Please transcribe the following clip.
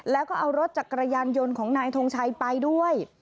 แล้วก็เอารถจักรยานยนต์ของนายทงชัยไปด้วย